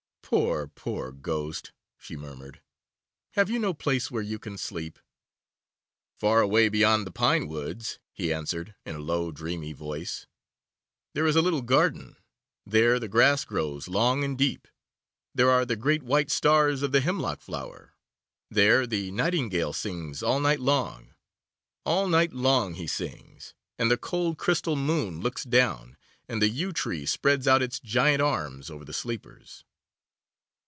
'Poor, poor Ghost,' she murmured; 'have you no place where you can sleep?' 'Far away beyond the pine woods,' he answered, in a low dreamy voice, 'there is a little garden. There the grass grows long and deep, there are the great white stars of the hemlock flower, there the nightingale sings all night long. All night long he sings, and the cold, crystal moon looks down, and the yew tree spreads out its giant arms over the sleepers.